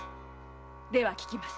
では訊きます。